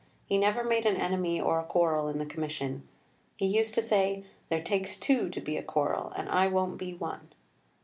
He never made an enemy or a quarrel in the Commission. He used to say, 'There takes two to be a quarrel, and I won't be one.'"